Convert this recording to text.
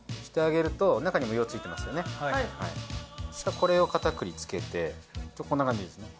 これを片栗つけてこんな感じですね。